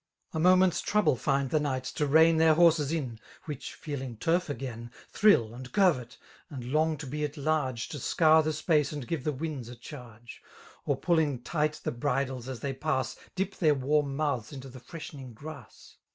A moment's trouble find the knights to rein Their horses in^ which, feeling turf again. Thrill^ and curvet, and long to be at large To scour the space and give the winds a charge^ Or pulling tight the bridles, as' they pass^ Dip their warm mouths into the freshening grass.